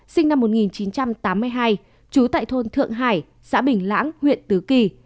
sinh năm một nghìn chín trăm tám mươi hai trú tại thôn thượng hải xã bình lãng huyện tứ kỳ